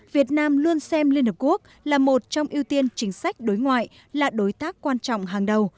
liên hợp quốc là một trong ưu tiên chính sách đối ngoại là đối tác quan trọng hàng đầu